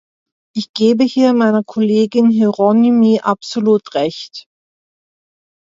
Ich gebe hier meiner Kollegin Hieronymi absolut Recht.